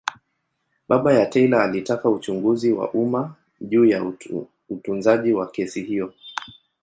Baba ya Taylor alitaka uchunguzi wa umma juu ya utunzaji wa kesi hiyo.